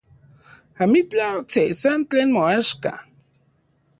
Amitlaj okse, san tlen moaxka.